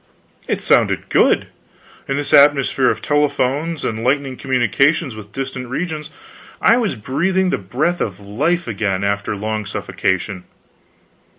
It sounded good! In this atmosphere of telephones and lightning communication with distant regions, I was breathing the breath of life again after long suffocation.